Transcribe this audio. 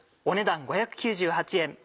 お値段５９８円。